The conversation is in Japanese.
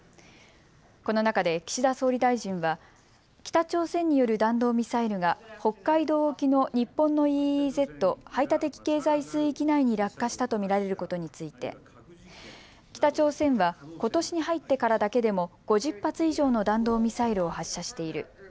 この中で岸田総理大臣は北朝鮮による弾道ミサイルが北海道沖の日本のＥＥＺ・排他的経済水域内に落下したと見られることについて北朝鮮はことしに入ってからだけでも５０発以上の弾道ミサイルを発射している。